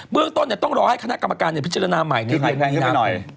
เรื่องต้นต้องรอให้คณะกรรมการพิจารณาใหม่ในเดือนมีนาคม